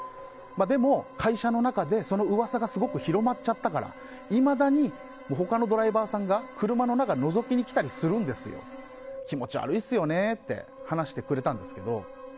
でも会社の中でその噂がすごく広まっちゃったからいまだに、他のドライバーさんが車の中のぞきにきたりするんです気持ち悪いっすよねと話してくれたんですけど